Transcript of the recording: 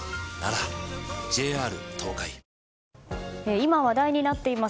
今、話題になっています